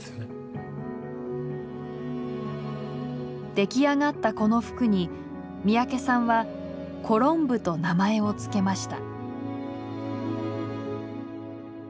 出来上がったこの服に三宅さんは「コロンブ」と名前を付けました。